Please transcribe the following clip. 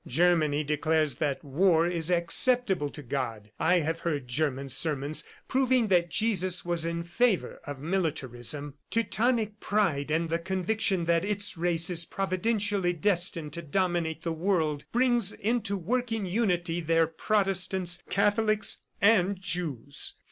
Germany declares that war is acceptable to God. I have heard German sermons proving that Jesus was in favor of Militarism. "Teutonic pride, the conviction that its race is providentially destined to dominate the world, brings into working unity their Protestants, Catholics and Jews.